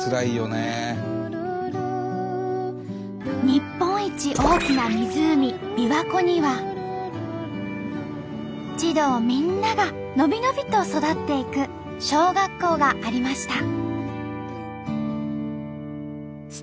日本一大きな湖びわ湖には児童みんながのびのびと育っていく小学校がありました。